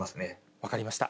分かりました。